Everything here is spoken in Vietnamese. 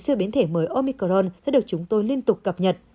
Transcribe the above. chưa biến thể mới omicron sẽ được chúng tôi liên tục cập nhật